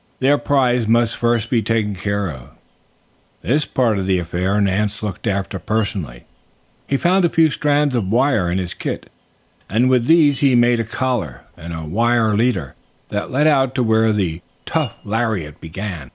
Their prize must first be taken care of. This part of the affair Nance looked after personally. He found a few strands of wire in his kit and with these he made a collar and a wire leader that led out to where the tough lariat began.